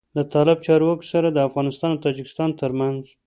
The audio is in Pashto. له طالب چارواکو سره د افغانستان او تاجکستان تر منځ